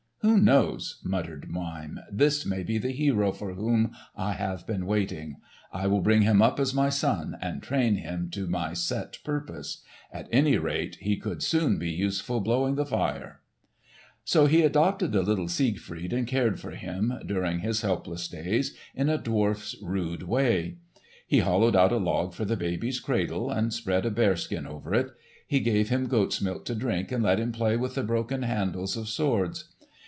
"Who knows?" muttered Mime. "This may be the hero for whom I have been waiting. I will bring him up as my son, and train him to my set purpose. At any rate he could soon be useful blowing the fire." So he adopted the little Siegfried and cared for him, during his helpless days, in a dwarf's rude way. He hollowed out a log for the baby's cradle, and spread a bearskin over it. He gave him goat's milk to drink, and let him play with the broken handles of swords.